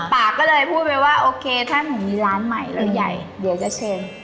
ปากก็เลยพูดไปว่าโอเคถ้าหนูมีร้านใหม่เราใหญ่เดี๋ยวจะเชิญ